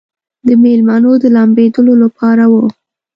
د مېلمنو د لامبېدلو لپاره و.